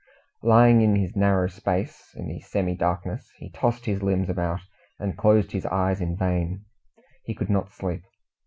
Lying in his narrow space in the semi darkness he tossed his limbs about, and closed his eyes in vain he could not sleep.